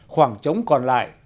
khoảng trống còn lại